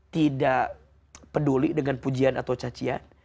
tidak peduli dengan pujian atau cacian